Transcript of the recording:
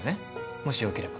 もしよければ。